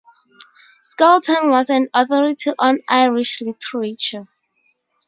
Skelton was an authority on Irish literature.